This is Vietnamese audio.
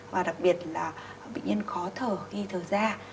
và đặc biệt là bệnh nhân khó thở khi thở da